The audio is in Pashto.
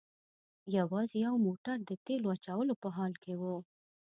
یوازې یو موټر د تیلو اچولو په حال کې و.